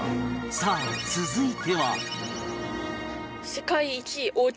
さあ続いては